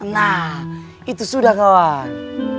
nah itu sudah kawan